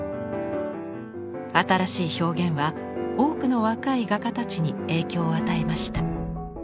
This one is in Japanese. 新しい表現は多くの若い画家たちに影響を与えました。